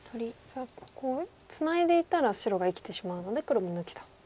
さあここツナいでいたら白が生きてしまうので黒も抜きと。